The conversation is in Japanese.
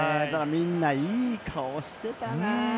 みんないい顔してたな。